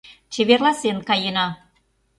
Чеверласен каена.